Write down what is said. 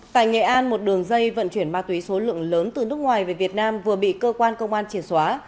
tại nghệ an một đường dây vận chuyển ma túy số lượng lớn từ nước ngoài về việt nam vừa bị cơ quan công an triển xóa